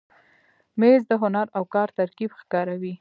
مېز د هنر او کار ترکیب ښکاروي.